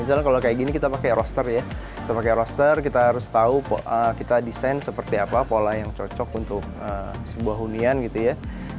misalnya kalau kayak gini kita pakai roster ya kita pakai roster kita harus tahu kita desain seperti apa pola yang cocok untuk sebuah hunian gitu ya